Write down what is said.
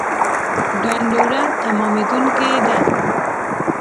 ډنډوره تمامېدونکې ده